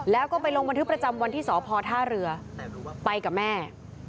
แล้วก็ไปลงบันทึกประจำวันที่สพท่าเรือไปกับแม่